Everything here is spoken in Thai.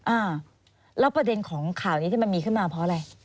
อ่าแล้วประเด็นของข่าวนี้ที่มันมีขึ้นมาเพราะอะไร